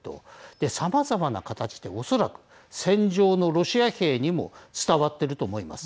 で、さまざまな形でおそらく戦場のロシア兵にも伝わっていると思います。